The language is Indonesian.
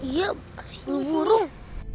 iya pasti burung